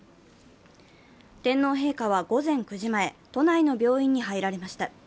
天皇陛下は午前９時前、都内の病院に入られました。